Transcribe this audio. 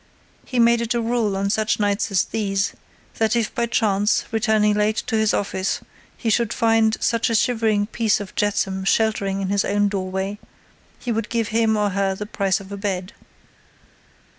He made it a rule on such nights as these, that if, by chance, returning late to his office he should find such a shivering piece of jetsam sheltering in his own doorway, he would give him or her the price of a bed.